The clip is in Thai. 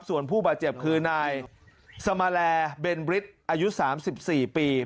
ส่วนผู้บาดเจ็บคือนายสมแลเบนบริสอายุ๓๔ปี